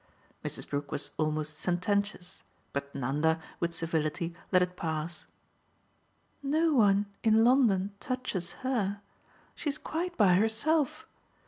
Mrs. Brook was almost sententious, but Nanda, with civility, let it pass. "No one in London touches her. She's quite by herself.